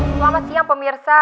selamat siang pemirsa